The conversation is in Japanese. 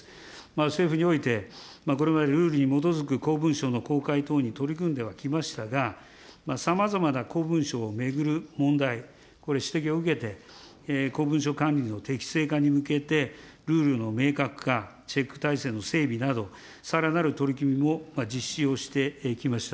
政府において、これまでルールに基づく公文書の公開等に取り組んではきましたが、さまざまな公文書を巡る問題、これ、指摘を受けて、公文書管理の適正化に向けて、ルールの明確化、チェック体制の整備など、さらなる取り決めも実施をしてきました。